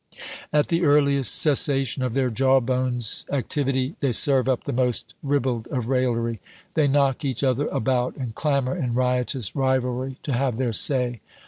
At the earliest cessation of their jaw bones' activity, they serve up the most ribald of raillery. They knock each other about, and clamor in riotous rivalry to have their say.